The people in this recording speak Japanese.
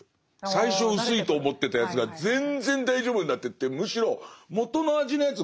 最初薄いと思ってたやつが全然大丈夫になってってむしろ元の味のやつ